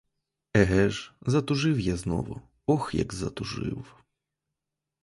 Еге ж, затужив я знову, ох, як затужив!